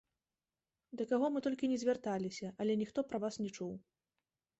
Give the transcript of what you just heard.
Да каго мы толькі ні звярталіся, але ніхто пра вас не чуў.